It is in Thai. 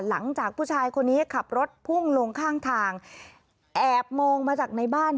หลังจากผู้ชายคนนี้ขับรถพุ่งลงข้างทางแอบมองมาจากในบ้าน